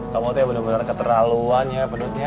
kamu tuh bener bener keterlaluan ya pedutnya